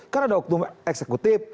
kan ada waktu eksekutif